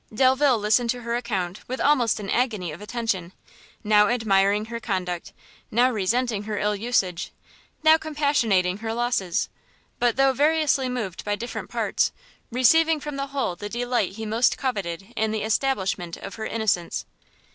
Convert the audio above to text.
Delvile listened to her account with almost an agony of attention, now admiring her conduct; now resenting her ill usage; now compassionating her losses; but though variously moved by different parts, receiving from the whole the delight he most coveted in the establishment of her innocence.